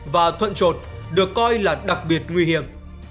và thuận trột được coi là đặc biệt nguy hiểm